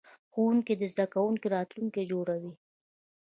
ښوونکی د زده کوونکي راتلونکی جوړوي.